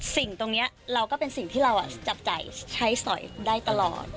สิ่งตรงนี้เราก็เป็นสิ่งที่เราจับจ่ายใช้สอยได้ตลอด